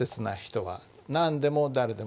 「何でも誰でも」。